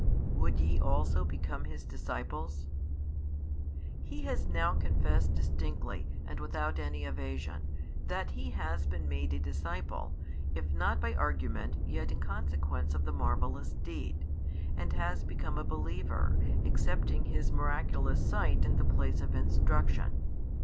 Would ye also become His disciples? He has now confessed distinctly, and without any evasion, that he has been made a disciple, if not by argument yet in consequence of the marvellous deed; and has become a believer, accepting his miraculous sight in the place of instruction.